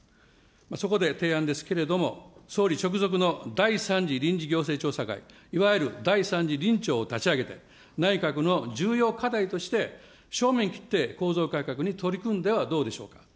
そこで提案ですけれども、総理直属の第３次臨時調整調査会、いわゆる第３次臨調を立ち上げて、内閣の重要課題として、正面切って構造改革に取り組んではどうでしょうか。